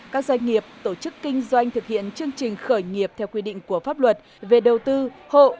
các doanh nghiệp tổ chức kinh doanh thực hiện chương trình khởi nghiệp theo quy định của pháp luật về đầu tư hộ